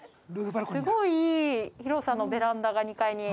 すごい広さのベランダが２階に。